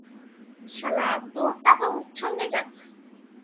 শালা, তোর টাকা উচ্ছন্নে যাক।